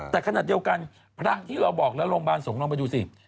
แต่ขณะเดียวกันพระที่เราบอกแล้วโรงพยาบาลสงฆ์ลองไปดูสิ